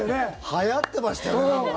はやってましたね。